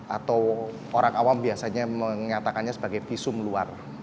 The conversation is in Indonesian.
atau orang awam biasanya mengatakannya sebagai visum luar